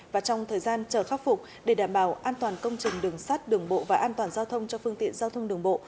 và trong thời gian chờ khắc phục để đảm bảo an toàn công trình đường sắt đường bộ và an toàn giao thông cho phương tiện giao thông đường bộ